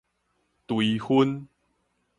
追分